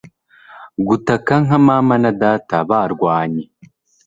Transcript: Gutaka nka Mama na Data barwanye.